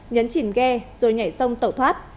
nhấn chỉn ghe rồi nhảy sông tẩu thoát